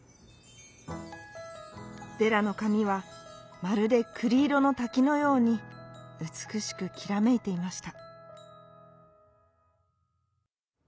デラのかみはまるでくりいろのたきのようにうつくしくきらめいていました。